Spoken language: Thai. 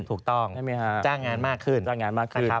ถูกต้องใช่ไหมฮะจ้างงานมากขึ้นจ้างงานมากขึ้นนะครับ